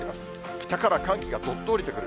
北から寒気がどっと下りてくる。